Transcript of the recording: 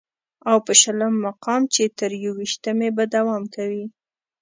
او په شلم مقام چې تر يوویشتمې به دوام کوي